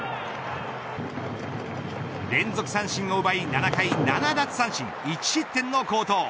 連続三振を奪い７回７奪三振１失点の好投。